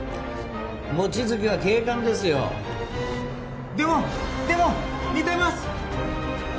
望月は警官ですよでもでも似てます